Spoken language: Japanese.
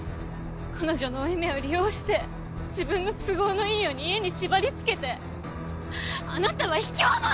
彼女の負い目を利用して自分の都合のいいように家に縛り付けてあなたは卑怯者！